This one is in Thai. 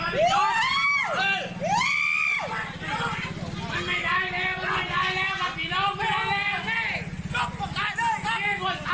พวกเขามาซุกมาล่ะนี่นะครับซุกแฟนมาล่ะนี่หรือแหละ